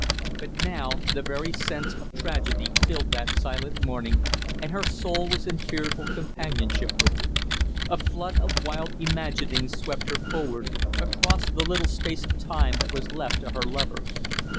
But now the very sense of tragedy filled that silent morning, and her soul was in fearful companionship with it. A flood of wild imaginings swept her forward, across the little space of time that was left to her lover.